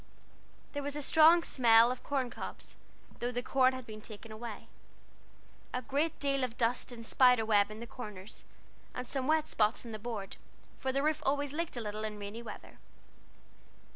There was a strong smell of corn cobs, though the corn had been taken away, a great deal of dust and spiderweb in the corners, and some wet spots on the boards; for the roof always leaked a little in rainy weather.